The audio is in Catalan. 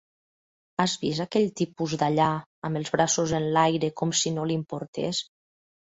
Has vist aquell tipus d'allà amb els braços enlaire com si no li importés?